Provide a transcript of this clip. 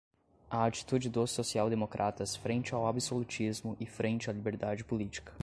a atitude dos social-democratas frente ao absolutismo e frente à liberdade política